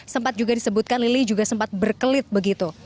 sempat juga disebutkan lili juga sempat berkelit begitu